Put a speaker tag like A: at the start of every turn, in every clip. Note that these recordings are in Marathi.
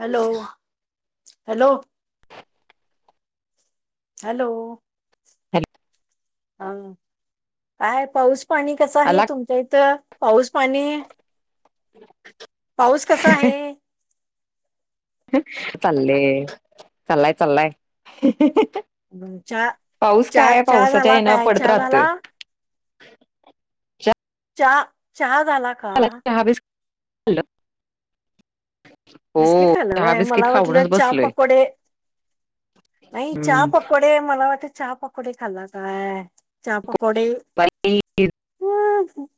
A: Hello, hello. हॅलो,
B: हॅल
A: हा काय पाऊस पाणी कस आहे
B: आला
A: तुमच्या इथं? पाऊस पाणी? पाऊस कसा हाये
B: चाल्ले, चलाय चलाय.
A: चहा
B: पाऊस काय
A: चहा
B: आहे
A: चहा
B: पावसाच्या
A: झाला
B: येन
A: काय
B: पडत
A: चहा झाला
B: राहतोय. [inaudible]
A: चहा चहा झाला का?
B: हॅलो,
A: बिस्किट खाल व्हय? मला वाटलं
B: खाऊनच
A: चहा
B: बसलोय
A: पकोडे नाही, चहा
B: हम्म
A: पकोडे मला वाट चहा पकोडे खाल्ला काय? चहा पकोडे.
B: बाई,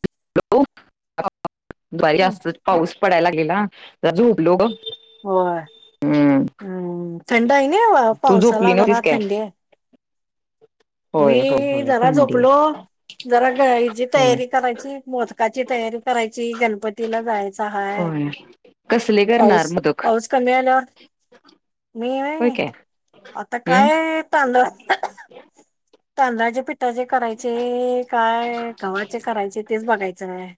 B: [unintelligible] दुपारी
A: हम्म,
B: जास्तच पाऊस पडायला लागलेला, जरा झोपलो ग
A: होय,
B: हम्म
A: हं. काही नाही व
B: तू झोपली
A: पावसाला, जरा
B: नव्हतीस काय
A: थंडी आहे. मी
B: होय होय होय
A: जरा
B: थंडी आहे
A: झोपलो जरा ग हिची
B: होय
A: तयारी करायची. मोदकाची तयारी करायची, गणपतीला जायचा हाय.
B: [inaudible]
A: पाऊस
B: करणार मोदक
A: पाऊस कमी आल्यावर, मी
B: होय काय
A: आता
B: हम्म
A: काय तांदळा तांदळाच्या पीट कसे करायचे? काय? कव्हाचे करायचे? तेच बघायच हाय.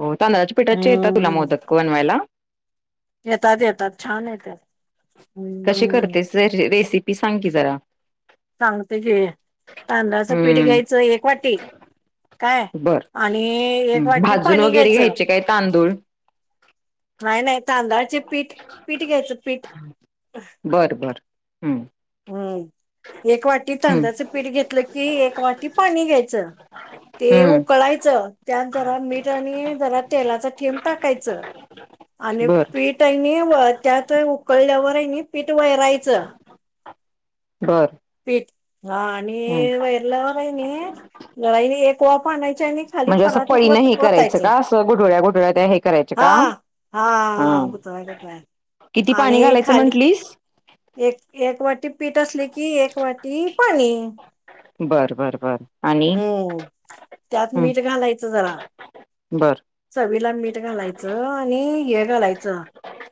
B: हो, तांदळाच्या पीठाचे येतात तुला मोदक बनवायला?
A: येतात येतात. छान येतात.
B: कसे
A: हम्म
B: करतेस, रेसिपी सांग की जरा.
A: सांगते, की तांदळाच पीठ
B: हम्म
A: घ्यायचं एक वाटी- काय
B: बर
A: आणि एक वाटी
B: भाजून
A: पाणी
B: वगैरे
A: घ्यायचं,
B: घ्यायचे काय तांदूळ
A: नाही -नाही तांदळाचे पीठ पीठ घ्यायचं पीठ,
B: बर हम्म..
A: हम्म एक वाटी
B: हम्म
A: तांदळाचं पीठ घेतलं की, एक वाटी पाणी घ्यायचं. ते
B: हम्म
A: उकळायचं त्यान जरा मीठ आणि जरा तेलाच थेब टाकायचं. आणि
B: बर
A: पीठ आहेनी, त्यात उकळल्यावर आहे न पीठ वयरायचं.
B: बरं,
A: तेट, हा आणि वैरलावर आहे, जरा एक वा प आणायची आणि खाली परातीत व-
B: नाही हे करायच का? असं गुठुळ्या गुठुळ्या हे करायच
A: हा
B: का-
A: हा गुतवाय गुतवाय
B: किती पाणी
A: आणि
B: घालायचं
A: खाली
B: म्हंटलीस?
A: एक, एक वाटी पीठ असले की एक वाटी पाणी.
B: बरं -बरं -बरं
A: होम् त्यात मीठ घालायचं जरा,
B: बर
A: चवीला मीठ घालायचं आणि हे घालायचं,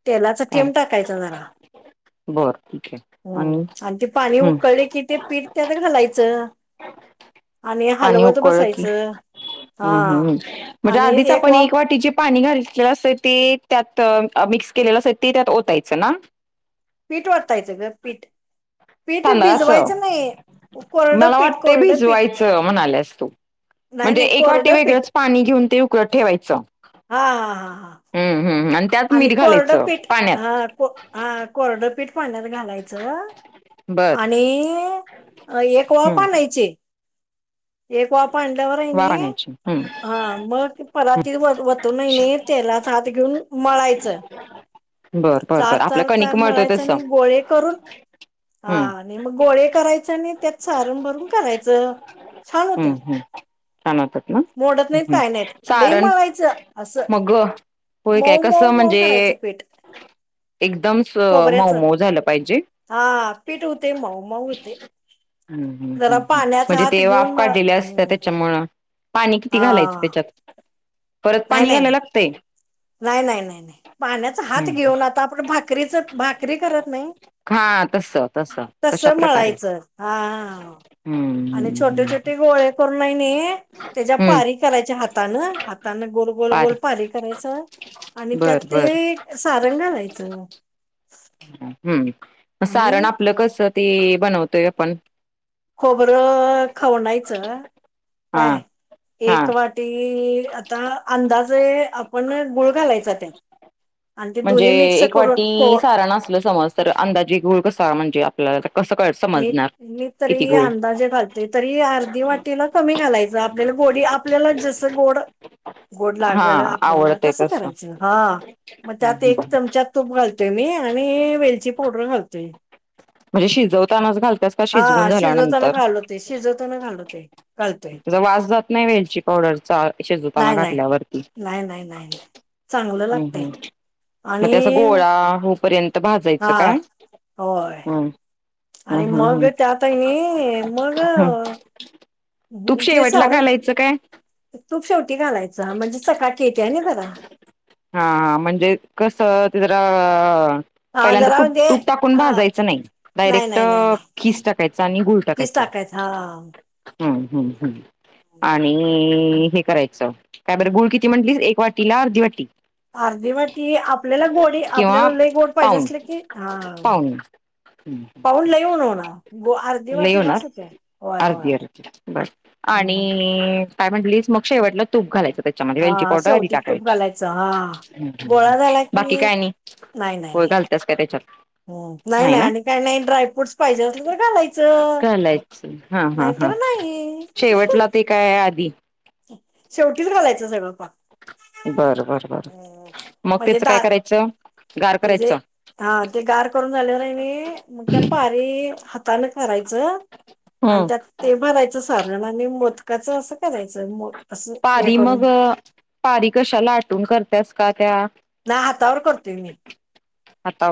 A: तेलाचा थेंब टाकायचा जरा-
B: होर ठीक आहे
A: हम्म
B: आणि-
A: ते पाणी
B: हम्म
A: उकळले कि ते पीठ त्यात घालायचं, आणि
B: पाणी
A: हलवत
B: उकळलं की
A: बसायचं हा आणि एक-
B: पण
A: वाफ
B: एक वाटी जे पाणी घातलं असत, ते त्यात मिक्स केलेलं असत ते त्यात ओतायचं ना,
A: पीठ वाटायचं ग पीठ पीठ
B: तांदळाच,
A: भिजवायचं नाही कोरडं
B: मला
A: पीठ
B: वाटते भि
A: कोरडं पीठ
B: जवायचं म्हणाले अस तू-
A: नाही
B: म्हणजे
A: नाही
B: एक वाटी
A: कोरडं पीठ
B: वेगळंच पाणी घेऊन ते उकळत ठेवायचं.
A: हा... हा...
B: हम्म हम्म त्यात
A: आणि
B: मीठ घालायचं
A: कोरडपीठ ह
B: पाण्यात
A: हा कोरडपीठ- पाण्यात घालायच
B: बर
A: आणि- एक वा
B: हम्म
A: पानायचे- एक वाफ आणल्यावर आहे
B: वाफ
A: नि-
B: आणायची हम्म
A: हा मग
B: हम्म
A: पराती वतो नाही, नाही तेलाच हात घेऊन मळायचं.
B: बर बर
A: चार
B: बर आपलं
A: -चार
B: कणिक
A: -चार
B: मळतो
A: मळायच
B: तसं
A: आणि गोळे करून हा
B: हम्म
A: आणि मग गोळे- करायच आणि त्यातच सारण भरून करायचं छान होते.
B: ानतात ना [unintelligible]
A: मोडत नाहीत काय नाही लय
B: सारण
A: मवायचं असं,
B: मग होय काय
A: मऊ-
B: कसं
A: मऊ- मऊ
B: म्हणजे
A: करायचं पीठ,
B: एकदम मऊ-
A: खोबऱ्याचं
B: मऊ झालं पाहिजे.
A: हा पीठ होते मऊ मऊ होते.
B: ह
A: जरा पाण्याचा
B: म्हणजे
A: हात घेऊन
B: तेव्हाफ
A: मळ
B: काढ दिल्या असत
A: हम्म
B: त्याच्यामुळ [inaudible] पाणी किती
A: हा
B: घालायचं त्याच्यात- परत
A: नाही
B: पाणी
A: नाही
B: घालाय
A: नाही
B: लागतय,
A: नाही- नाही, नाही -नाही पाण्याचा हात
B: हम्म
A: घेऊन आता आपण भाकरीच भाकरी करत नाही.
B: हा तस
A: तस
B: तशा प्रकारे
A: मळायचं, हा..
B: हम्म
A: आणि
B: हम्म
A: छोटे
B: हम्म
A: -छोटे गोळे करूनणे त्याच्या
B: हम्म
A: पारी करायच्या. हातान हाताने गोल- गोल -गोल पारी करायचं, आणि त्यात
B: बर बर
A: ते सारंग घालायचं.
B: हम्म.. सारण
A: आणि
B: आपलं कसं ते बनवतोय आपण-
A: खोबरं खावनायचं
B: हा
A: काय?
B: हा
A: एक वाटी- क आता अंदाज आपण गुळ घालायचा त्यात, आणि ते
B: म्हणजे
A: दोन्ही मिक्स
B: एक
A: करून खो
B: वाटी सारण असलं, समज तर अंदाजे गुळ कसा म्हणजे? आपल्याला कसं कळ
A: मी,
B: समजणार
A: मी
B: किती
A: तरी
B: गुळ
A: अंदाजे घालते तरी अर्धी वाटीला कमी घालायचं आपल्याला गोडी- आपल्याला जसं गोड, गोड
B: हा
A: लागल आपल्याला
B: आवडतय
A: तसं करायचं हा. मग
B: हम्म,
A: त्यात एक
B: हम्म.
A: चमचा तूप घालतोय मी आणि वेलची पावडर घालतोय.
B: म्हणजे शिजवतानाच घाल का शिजवून
A: हा शिजवताना
B: झाल्यानंतर,
A: घालवते शिजवताना घालवते घालतोय
B: त्याचा वास जात नाही वेलची पाव पावडरचा शिजवताना
A: नाही नाही.
B: घातल्यावरती.
A: नाही नाही नाही नाही चांगलं
B: हम्म,
A: लागतंय.
B: हम्म. मग ते असं गोळा होऊ पर्यंत
A: हा
B: भाजायचं काय?
A: होय.
B: हम्म,
A: आणि
B: हम्म,
A: मग
B: हम्म,
A: त्यात आहे कनी मग
B: हम्म.
A: अ
B: तूप शेवटला घालायचं काय
A: [unintelligible] तूप शेवटी घालायचं म्हणजे चकाकी येत्या ना जरा.
B: हा म्हणजे कसं ते जरा,
A: हा
B: पहिल्यांदा
A: जरा
B: तूप
A: म्हणजे
B: तूप टाकून
A: अ
B: भाजाय
A: नाही
B: डायरेक्ट
A: नाही नाही नाही
B: खीस टाकायचा आणि गुळ
A: कीच
B: टाकायचा.
A: टाकायच हा.
B: हम्म हम् हम् आणि हे करायचं काय बरं गुळ किती म्हटलीस एक वाटीला अर्धी वाटी?
A: अर्धी वाटी आपल्याला गोडी
B: किंवा
A: आपल्याला लय गोड पाहिजे
B: पाऊण
A: असलं की हा
B: पाऊण
A: पाऊन लय [unintelligible]
B: लय होणार? अर्धी अर्धी बर
A: हम्म.
B: आणि काय म्हटलीस, मग शेवटला तूप घालायचं. त्याच्यामध्ये वेलची
A: हा
B: पावडर आधी
A: शेवटी तूप
B: टाकायची,
A: घालायचं हा गोळा झाला
B: बाकी
A: की
B: काय आणि?
A: नाही
B: तु
A: नाही
B: घालत्यास काय त्याच्यात?
A: नाही नाही आणि काही नाही ड्रायफ्रूटस पाहिजे असलं तर घालय
B: घालायचं, हा हा हा
A: नाही
B: शेवटला ते काय आधी?
A: शेवटीचं घालायचं सगळं पाक.
B: बरं बर बर,
A: हम्म.
B: मग त्याचं काय करायचं? गार
A: ते जे
B: करायचं.
A: हा ते गार करून झालेवर आहे कि नाही मग त्या पारी हातानं करायचं, आणि
B: हम्म.
A: त्यात ते भरायचं सारण आणि मोदकाचं असं करायचं म
B: पारी मग, पारी कशा लाटून करत्यास का त्या
A: नाही हातावर करतोय मी.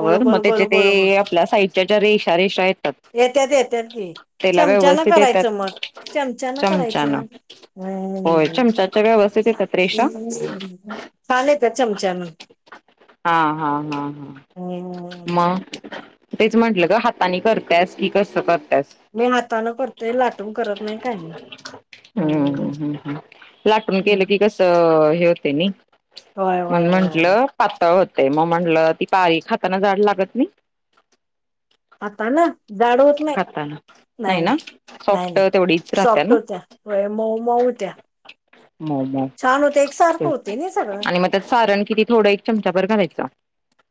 A: गोल गोल
B: मग
A: गोल
B: त्याचे
A: गोल गोल
B: ते आपल्या साईडच्या ज्या रेषा रेषा येतात,
A: येत्यात येत्यात की
B: तेला
A: चमच्यानं
B: व्यवस्थित
A: करायचं मग
B: येतात,
A: चमच्यानं
B: चमचानं
A: करायचं
B: होय,
A: हम्म
B: चमचाच्या व्यवस्थित येतात रेषा?
A: छान येत्यात चमच्यान
B: हा हा हा हा.
A: हम्म
B: मग, तेच म्हंटलं ग हातानी करत्यास की कसं कर
A: मी हाताानं करतोय लाटून करत नाही काय नाही.
B: हम्म हम् हम् हम् लाटून केलं
A: हम्म.
B: की कसं, हे होते नि
A: होय होय
B: म्हणून
A: होय होय
B: म्हंटलं पातळ होत तय, मग म्हटलं ती पारी खाताना जाड लागत नाही?
A: हातानं, जाड होत नाही.
B: खाताना
A: नाही
B: ना
A: नाही नाहीय
B: सॉफ्ट
A: नाही
B: तेवढीच राहत्या
A: सॉफ्ट
B: ना
A: होत्या मऊ मऊ होत्या.
B: मऊ मऊ,
A: छान होते एकसारखं होते ना सगळं
B: आणि मग त्यात सारण किती थोडं एक चमचा भर घालायचा.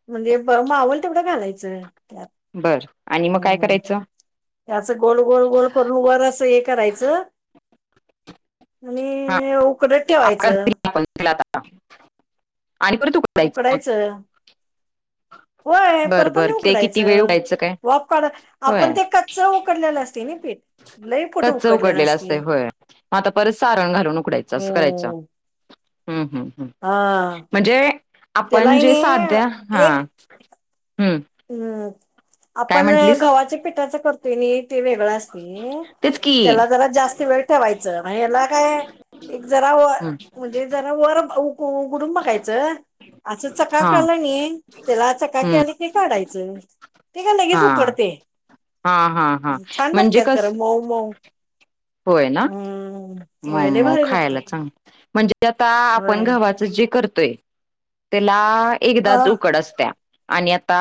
A: म्हणजे बरं मावल तेवढं घालायचं त्यात.
B: बर आणि मग काय
A: हम्म,
B: करायचं
A: त्याच गोल गोल गोल करून वर अस एक करायचं,
B: हा
A: आणि उकडत
B: आकार
A: ठेवायचं.
B: दिला आपण त्याला आणि परत उकडायचं मग
A: [inaudible] होय, परत आणि
B: वेळ
A: उकडायचं,
B: काय
A: वाफ काढ
B: होय
A: आपण ते कच्च उकडलेलं असंतय ना पीठ. लई कुठ
B: कच्च उकडलेलं
A: असते
B: असतंय होय, मग आता परत सारण घालून उकडायचं असं कराय
A: हो
B: हम्म हम्म हम् म्हणजे आपण जे
A: त्यालाने
B: साध्या हा
A: एक
B: हम्म
A: हम्म
B: काय
A: आपण
B: म्हंटलीस
A: गव्हाच्या पिठाच करतोय नि ते वेगळं असतय
B: तेच की
A: त्याला जरा जास्त वेळ ठेवायचं याला काय एक जरा वर
B: हम्म
A: म्हणजे जरा वर उगुडून बघायचं, असं
B: हा
A: चकाकल नी, त्याला चकाकी
B: हम्म
A: आली की काढायचं ते का लगेच
B: हा
A: उकडते.
B: हा हा हा
A: छान
B: म्हणजे
A: लागतात
B: कस
A: खरं मऊ मऊ
B: होय ना.
A: हम्म होय लय
B: मऊमऊ
A: भारी लागतात
B: खायला चांगलं, म्हणजे आता आपण
A: होय
B: गवाच जे करत ते त्याला
A: अ
B: एकदाच उकड असत्या. आणि आता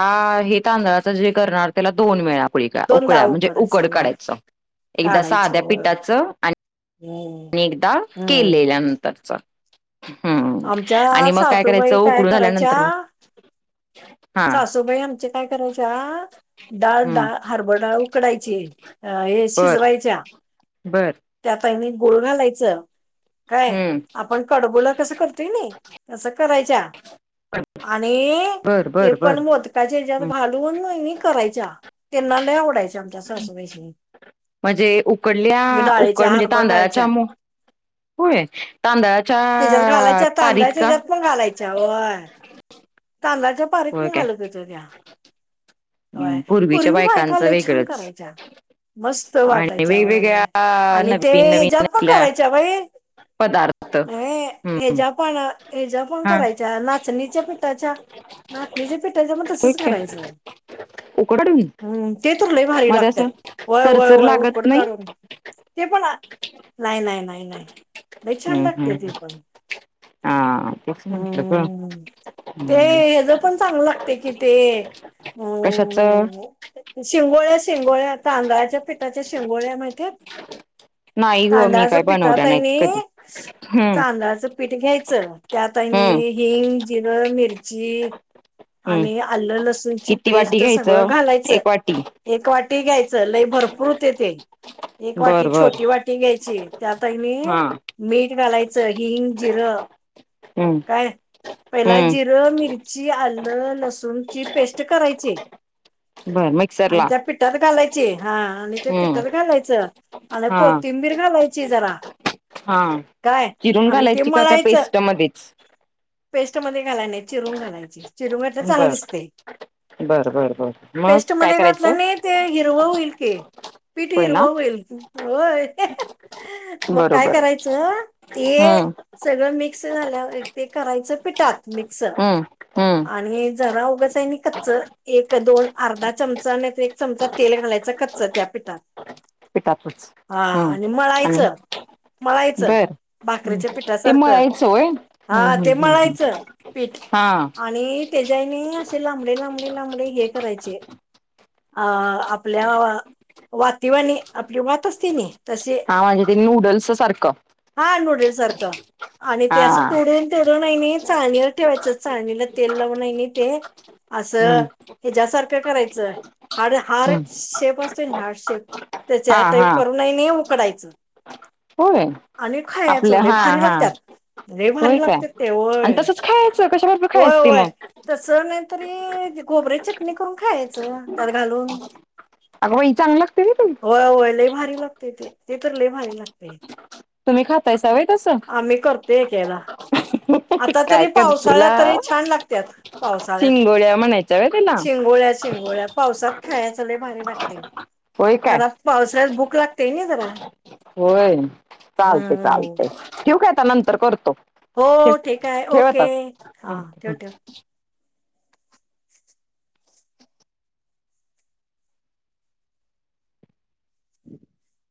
B: हे तांदळाच जे करणार त्याला दोन वेळा.
A: दोनदा
B: उकळीत्या म्हणजे उकड
A: उकडायचं वय
B: काढायच एकदा
A: काढायचे
B: साध्या
A: वय
B: पिठाचं
A: हम्म
B: आणि एकदा
A: हम्म
B: केलेल्यानंतरचं. हम्म
A: आमच्या
B: आणि मग काय करायचं
A: सासूबाई काय
B: उकडून झाल्यानंतर
A: करायच्या
B: म
A: सासूबाई आमचे काय करायच्या डाळ
B: हम्म
A: डाळ हरब डाळ उकडायची हे शिजवायच्या
B: बरं.
A: त्यात गुळ घालायच काय
B: हम्म.
A: आपण कडबुला कस करतोय, नई तस करायच्या आणि
B: बर
A: ते
B: बर
A: पण
B: बर
A: मोदकाच्याच्यात घालून नी करायच्या तेना लई आवडायच्या आमच्या सासूबाईसनी.
B: म्हणजे उकडल्या
A: डाळीच्या
B: उकड म्हणजे
A: हरभर डाळीच्या
B: तांदळाच्यामू होय तांदळाच्या
A: त्याच्यात घालायच्या
B: पारीत
A: तांदळाच्या
B: का?
A: ह्याच्यात पण कांददा्याच्या पारीत
B: होय
A: न
B: काय
A: घालत होत्या त्या. होय
B: हं पूर्वीच्या
A: पूर्वी बायका
B: बायकांचं
A: लय छान
B: वेगळंच.
A: करायच्या. मस्त
B: आणि
A: वाटायच्या वय वय
B: वेगवेगळ्या
A: आणि ते
B: नवीन नवीन
A: हच्या्यात पण
B: आपल्या
A: करायच्या बाई
B: पदार्थ
A: नाही
B: हं
A: हच्या पण हच्या्या पण
B: हा
A: करायच्या नाचणीच्या पिठाच्या नाचणी च्या पेटाचं पण तसंच
B: ठीक आहे
A: करायचं.
B: उकडून
A: हम्म ते तर लायभारी
B: मग
A: लागतात,
B: असं
A: वय वय
B: चरचर
A: वय
B: लागत
A: उकड
B: नाही
A: काढून. ते पण नाही नाही नाही नाही नाही लई छान
B: हं
A: लागते
B: हं
A: ते पण.
B: हा
A: [inaudible]
B: तेच म्हंटलग
A: हम्म ते
B: हम्म
A: ह्याच पण चांगलं लागते कि ते अ
B: कशाच?
A: शिंगोळ्या शिंगोळ्या तांदाळाच्या पिठाच्या शिंगोळ्या माहितेत?
B: नाही ग मी
A: तांदळाच
B: काय बनवल्या नाहीत
A: पिठाताईंनी,
B: कधी हं
A: तांदळाच पीठ घ्यायचं त्या त्यातणी
B: हं
A: हिंग, जिरं, मिरची
B: हं
A: आणि आलं, लसूणची
B: किती वाटी
A: पेस्ट सगळं
B: घ्यायचं
A: घालायचं
B: एक वाटी
A: एक वाटी घ्यायचं लय भरपूर होते ते एक
B: बर
A: वाटी
B: बर
A: छोटी वाटी घ्यायची त्यातनी
B: हा
A: मीठ घालायचं हिंग, जिरं
B: हं
A: काय पहिला
B: हं
A: जिरं, मिरची, आलं, लसूणची पेस्ट करायची.
B: बर
A: आणि
B: मिक्सरला
A: त्या पिठात घालायची हा आणि ते
B: हं
A: पिठात घालायचं. अन
B: हा
A: कोथिंबिर घालायची जरा.
B: हा
A: काय
B: चिरून
A: आणि ते
B: घालायची का त्या
A: मळायच.
B: पेस्ट मध्येच
A: पेस्टमध्ये घालाय नाही चिरून घालायची चिरून घातलं चांगल
B: बर
A: दिसते.
B: बरं बरं बरं मग
A: पेस्ट
B: काय
A: मध्ये
B: करायचं
A: घातलंने ते हिरव होईल की. पीट
B: होय
A: हीरव
B: ना
A: व्हईल तू होय. मग काय
B: बरोबर
A: करायचं ते
B: हम्म
A: सगळं मिक्स झाल्या ते करायचं पिटात मिक्स
B: हम्म हम्म
A: आणि जरा उगचेनी कच्च एक दोन अर्धा चमचा आणि एक चमचा तेल घाल टाकायचं कच्च त्या पिठात
B: पिठातच
A: हा
B: हम्म
A: आणि
B: आणि
A: मळायचं. मळायचं
B: बर
A: भाकरीच्या
B: ते
A: पिठासारखं.
B: मळायचं होय हम्म
A: हा
B: हम्म
A: ते
B: हम्म हम्म
A: मळायचं पीठ.
B: हा
A: आणि त्याच्याने असे लांबडे लांबडे लांबडे हे करायचे अ आपल्या वातीवानी आपली वात असतीनी तसे
B: हा म्हणजे ते नूडल्स सारखं
A: हा नूडल् सारखं आणि ते
B: हा
A: अस तोडून तोडून आईनि चाळणी वर ठेवायचं चाळणीला तेल लावून आहेनी ते असं
B: हम्म
A: ह्याच्या सारखं करायचं आड हार्ड
B: हम्म
A: शेप असतोय ना हार्ड शेप
B: हा
A: त्याच्या टाईप
B: हा
A: करून नाही नाही उकडायचं
B: होय
A: आणि
B: आपलं
A: खायाचो लई
B: हा
A: भारी
B: हा
A: लागत्यात. लई भारी
B: होय काय
A: लागतेत
B: आणि
A: व्हय
B: तसंच खायचं कशा बरोबर
A: होय
B: खायच ते
A: होय
B: मग
A: तस नाही तरी खोबऱ्याची चटणी करून खायच त्यात घालून
B: अगं बाई चांगलं लागते रे ते
A: होय होय लई भारी लागते ते, ते तर लई भारी लागतेय.
B: तुम्ही खातायसा व्हय तसं?
A: करतोय एकेकदा आता
B: काय
A: तरी पावसाळ्यात
B: करशीला
A: तरी छान लागत्यात पावसाळ्यात
B: शिंगोळ्या म्हणायच्या व्हय तेला?
A: शिंगोळ्या शिंगोळ्या पावसात खायच लई भारी लागतय.
B: होय काय
A: घरात पावसाळ्यात भूक लागतेय नाही जरा
B: होय चालते
A: हम्म
B: चालतय ठेवू का आता नंतर करतो.
A: हो
B: ठेव
A: ठीक आहे
B: ठेव
A: ओके
B: आता.
A: हा ठेव ठेव [inaudible]